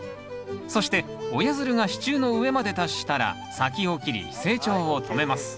そして親づるが支柱の上まで達したら先を切り成長を止めます